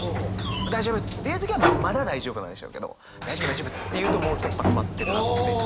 「大丈夫」って言う時はまだ大丈夫なんでしょうけど「大丈夫大丈夫」って言うともうせっぱ詰まってるなって。